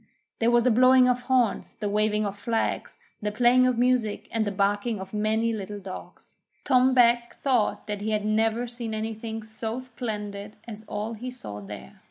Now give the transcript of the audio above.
There was the blowing of horns, the waving of flags, the playing of music, and the barking of many little dogs. Tom Beg thought that he had never seen anything so splendid as all he saw there.